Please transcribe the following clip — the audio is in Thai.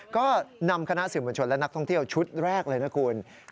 ก็นำคณะสื่อมวลชนและนักท่องเที่ยวชุดแรกเลยนะคุณ